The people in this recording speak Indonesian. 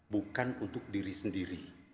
bukan untuk diri sendiri